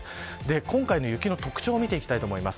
今回の雪の特徴を見ていきたいと思います。